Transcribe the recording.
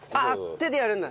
手でやるんだ。